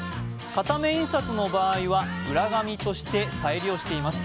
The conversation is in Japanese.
片面印刷の場合は裏紙として再利用しています。